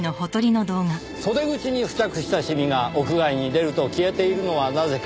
袖口に付着したシミが屋外に出ると消えているのはなぜか？